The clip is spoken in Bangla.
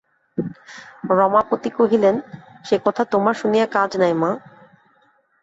রমাপতি কহিলেন, সে-কথা তোমার শুনিয়া কাজ নাই, মা।